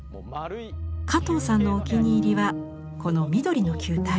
加藤さんのお気に入りはこの緑の球体。